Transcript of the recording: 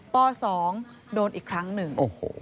ป๒โดนอีกครั้งหนึ่ง